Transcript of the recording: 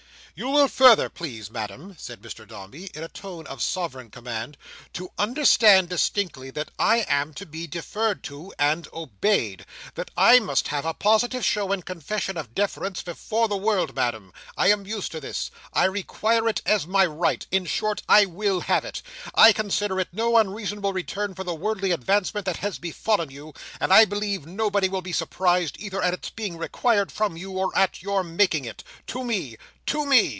"You will further please, Madam," said Mr Dombey, in a tone of sovereign command, "to understand distinctly, that I am to be deferred to and obeyed. That I must have a positive show and confession of deference before the world, Madam. I am used to this. I require it as my right. In short I will have it. I consider it no unreasonable return for the worldly advancement that has befallen you; and I believe nobody will be surprised, either at its being required from you, or at your making it.—To Me—To Me!"